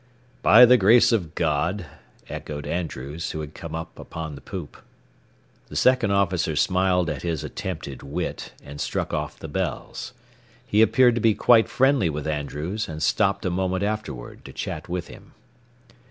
"By the grace of God," echoed Andrews, who had come upon the poop. The second officer smiled at his attempted wit and struck off the bells. He appeared to be quite friendly with Andrews and stopped a moment afterward to chat with him.